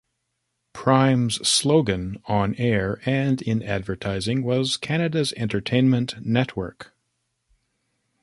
Prime's slogan, on-air and in advertising, was "Canada's Entertainment Network".